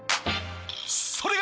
それが。